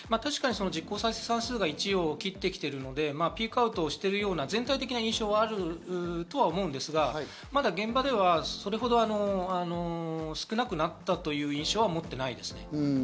実効再生産数が１を切ってきてきているのでピークアウトしているような全体的な印象はあるとは思うんですが、まだ現場ではそれほど少なくなったという印象は持っていないです。